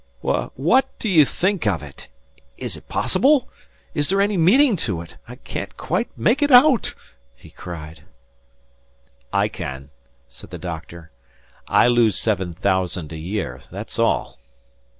"What what d' you think of it? Is it possible? Is there any meaning to it? I can't quite make it out," he cried. "I can," said the doctor. "I lose seven thousand a year that's all."